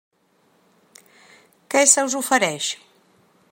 Què se us ofereix?